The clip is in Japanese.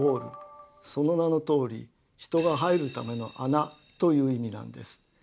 その名のとおり「人が入るための穴」という意味なんです。